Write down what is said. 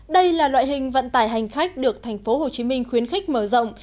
đây là loại hình vận tải hành khách được tp hcm khuyến khích mở rộng